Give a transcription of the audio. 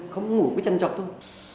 không ngủ cứ chăn chọc thôi